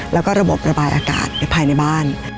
แล้วก็ระบบระบายอากาศภายในบ้าน